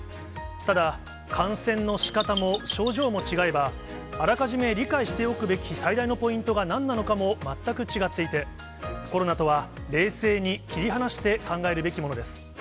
ただ、感染のしかたも症状も違えば、あらかじめ理解しておくべき最大のポイントがなんなのかも全く違っていて、コロナとは冷静に切り離して考えるべきものです。